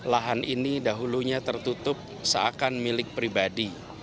lahan ini dahulunya tertutup seakan milik pribadi